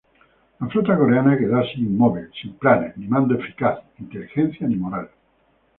La flota coreana quedó así inmóvil, sin planes, ni mando eficaz, inteligencia ni moral.